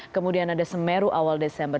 kemudian ada semeru awal desember